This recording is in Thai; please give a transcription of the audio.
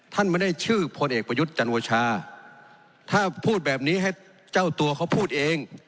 ท่านไม่ได้ชื่อพลเอกประยุทธ์จันโอชาถ้าพูดแบบนี้ให้เจ้าตัวเขาพูดเอง